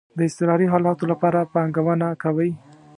د اضطراری حالاتو لپاره پانګونه کوئ؟